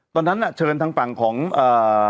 ตอนนั้นน่ะเชิญทางฝั่งของอ่า